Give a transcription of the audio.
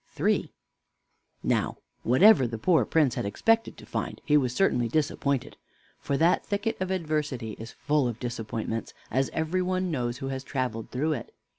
III Now, whatever the poor Prince had expected to find, he was certainly disappointed; for that thicket of Adversity is full of disappointments, as every one knows who has traveled through it.